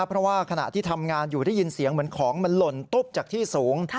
เพราะว่าขณะที่ทำงานอยู่ได้ยินเสียงเหมือนของมันหล่นตุ๊บจากที่สูง